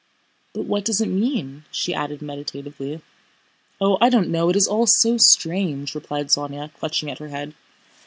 "But what does it mean?" she added meditatively. "Oh, I don't know, it is all so strange," replied Sónya, clutching at her head.